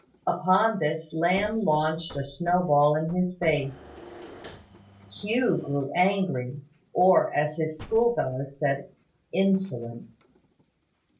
Upon this Lamb launched a snowball in his face. Hugh grew angry, or, as his schoolfellows said, insolent.